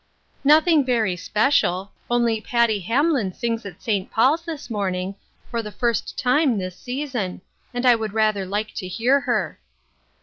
" Nothing very special ; only Patty Hamlin sings at St. Paul's this morning, for the first time this season ; and I would rather like to hear her."